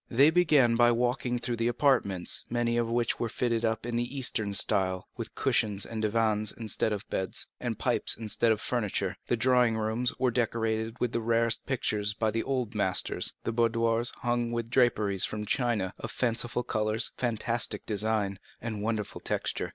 They began by walking through the apartments, many of which were fitted up in the Eastern style, with cushions and divans instead of beds, and pipes instead of furniture. The drawing rooms were decorated with the rarest pictures by the old masters, the boudoirs hung with draperies from China, of fanciful colors, fantastic design, and wonderful texture.